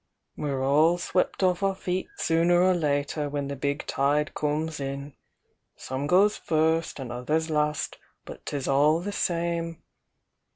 "We're all swept off our feet sooner or later, when the big tide cooms in! — some goes first an' others last,— but 'tis all the same!